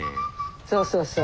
そうそうそう。